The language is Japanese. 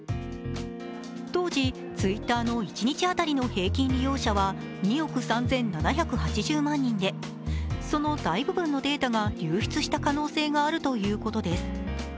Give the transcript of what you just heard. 当時、Ｔｗｉｔｔｅｒの一日当たりの平均利用者は２億３７８０万人で、その大部分のデータが流出した可能性があるということです。